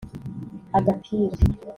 Agapira